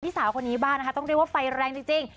สาวคนนี้บ้างนะคะต้องเรียกว่าไฟแรงจริง